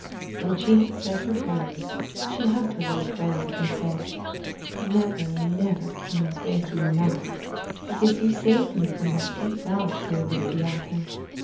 When she had said her prayers, she hugged her little friend and said, Never, never can I thank you enough, because you saved me from that deep well, dear Little Beate.